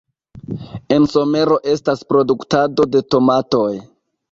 En somero estas produktado de tomatoj.